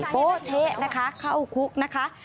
โป๊เช๊นะคะเข้าคุกนะคะ